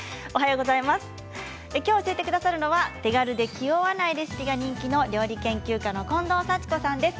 きょう教えてくださるのは手軽で気負わないレシピが人気の料理研究家の近藤幸子さんです。